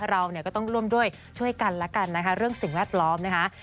เราก็ต้องร่วมด้วยช่วยกันเรื่องสิ่งแวดล้อมนะคะ